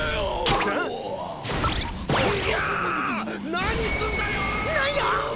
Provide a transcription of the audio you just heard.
何すんだよおお！